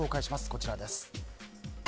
こちらです。